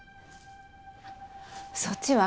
そっちは？